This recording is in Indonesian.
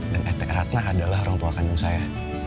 dan ete ratna adalah orang tua kandung saya